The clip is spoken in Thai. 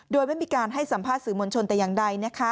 โดยไม่มีการให้สัมภาษณ์สื่อมวลชนแต่อย่างใด